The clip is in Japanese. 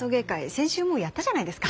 先週もうやったじゃないですか。